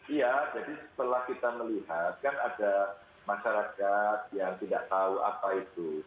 iya jadi setelah kita melihat kan ada masyarakat yang tidak tahu apa itu